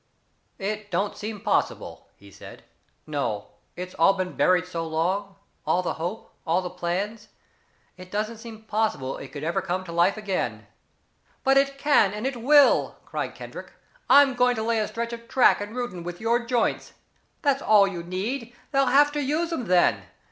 "It don't seem possible," he said. "No it's all been buried so long all the hope all the plans it don't seem possible it could ever come to life again." "But it can, and it will," cried Kendrick. "I'm going to lay a stretch of track in Reuton with your joints. That's all you need they'll have to use 'em then.